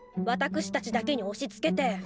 わたくしたちだけに押しつけて。